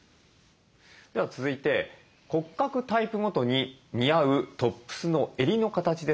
では続いて骨格タイプごとに似合うトップスの襟の形ですとか素材をまとめました。